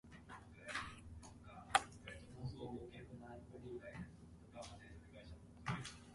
The velocity of this pitch also varies greatly from pitcher to pitcher.